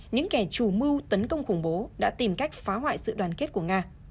những kẻ chủ mưu tấn công khủng bố đã tìm cách phá hoại sự đoàn kết của nga